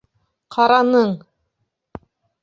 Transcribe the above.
Ҡараның!